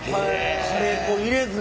カレー粉入れずに？